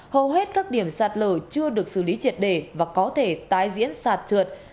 hầu hết các điểm sạt lở chưa được xử lý triệt đề và có thể tái diễn sạt trượt